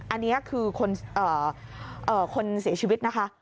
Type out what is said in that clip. อันนี้คือคนเสียชีวิตนะคะ